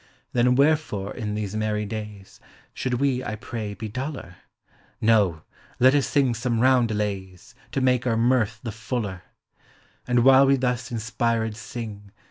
Then wherefore, in these merry days, Should we, I pray, be duller? No, let us sing some roundelays. To make our mirth the fuller; And while we thus inspired sing.